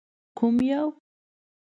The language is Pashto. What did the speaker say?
_کوم يو؟